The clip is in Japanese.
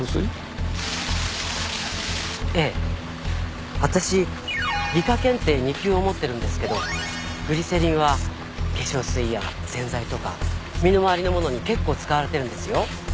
ええ私理科検定２級を持ってるんですけどグリセリンは化粧水や洗剤とか身の回りのものに結構使われてるんですよ